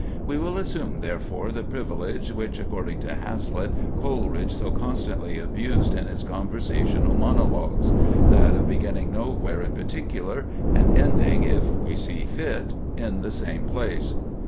We will assume, therefore, the privilege which, according to Hazlitt, Coleridge so constantly abused in his conversational monologues—that of beginning nowhere in particular, and ending, if we see fit, in the same place.